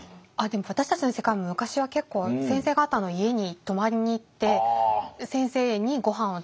でも私たちの世界も昔は結構先生方の家に泊まりに行って先生にごはんを。